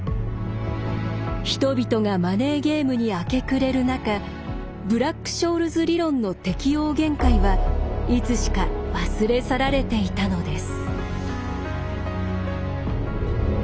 人々がマネーゲームに明け暮れる中ブラック・ショールズ理論の適用限界はいつしか忘れ去られていたのです。